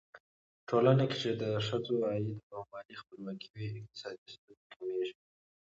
په ټولنه کې چې د ښځو عايد او مالي خپلواکي وي، اقتصادي ستونزې کمېږي.